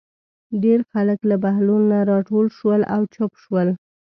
ډېر خلک له بهلول نه راټول شول او چوپ شول.